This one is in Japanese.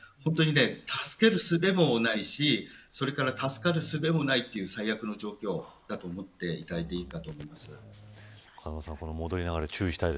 助けるすべもないし助かるすべもないという最悪の状況だと思っていただいていいです。